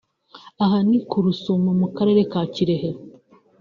Aha ni ku Rusumo mu Karere ka Kirehe